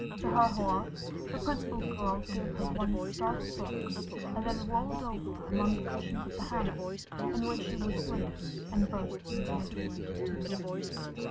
To her horror, the Principal Girl gave her one startled look, and then rolled over among the cushions of the hammock in which she was swinging, and burst into a torrent of tears.